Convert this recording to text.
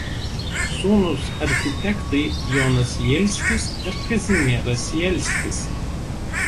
Sūnūs architektai Jonas Jelskis ir Kazimieras Jelskis.